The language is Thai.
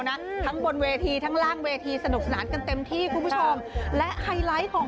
ลำบากลำบ้นก็จะทนกลง